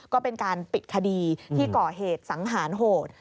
ก็เป็นการปิดคดีที่ก่อเหตุสังหารโหด